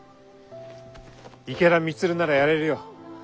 池田満ならやれるよ。